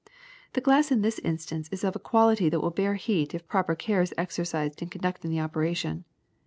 The glass in this instance is of a quality that will bear heat if proper care is exercised in conducting the operation.